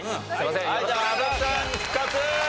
はいじゃあ阿部さん復活。